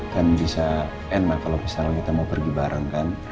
kan bisa enak kalau misalnya kita mau pergi bareng kan